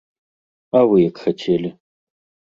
А вы як хацелі?